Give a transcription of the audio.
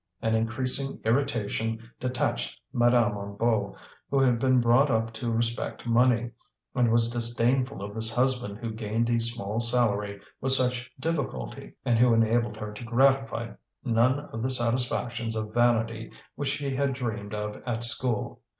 An increasing irritation detached Madame Hennebeau, who had been brought up to respect money, and was disdainful of this husband who gained a small salary with such difficulty, and who enabled her to gratify none of the satisfactions of vanity which she had dreamed of at school.